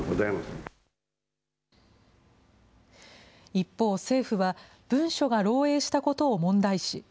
一方、政府は文書が漏えいしたことを問題視。